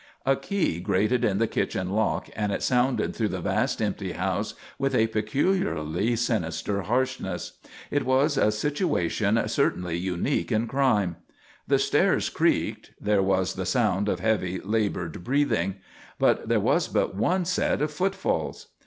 A key grated in the kitchen lock, and it sounded through the vast empty house with a peculiarly sinister harshness. It was a situation certainly unique in crime! The stairs creaked there was the sound of heavy, laboured breathing. But there was but one set of footfalls!